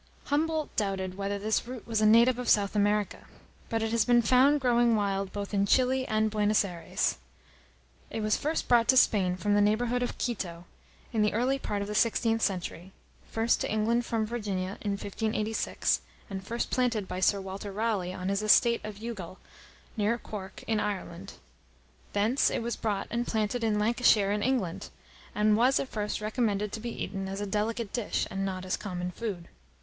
Humboldt doubted whether this root was a native of South America; but it has been found growing wild both in Chili and Buenos Ayres. It was first brought to Spain from the neighbourhood of Quito, in the early part of the sixteenth century, first to England from Virginia, in 1586, and first planted by Sir Walter Raleigh, on his estate of Youghal, near Cork, in Ireland. Thence it was brought and planted in Lancashire, in England, and was, at first, recommended to be eaten as a delicate dish, and not as common food.